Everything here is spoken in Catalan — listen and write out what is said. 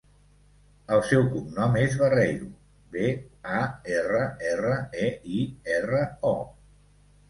El seu cognom és Barreiro: be, a, erra, erra, e, i, erra, o.